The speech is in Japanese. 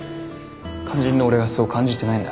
肝心の俺がそう感じてないんだ。